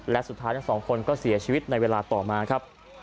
และสุดท้ายทั้งสองคนก็เสียชีวิตในเวลาต่อมาครับ